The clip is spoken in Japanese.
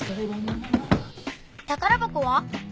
宝箱は？